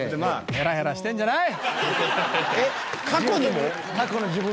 ヘラヘラしてるんじゃない。